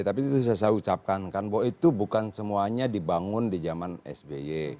tapi itu sudah saya ucapkan kan bahwa itu bukan semuanya dibangun di zaman sby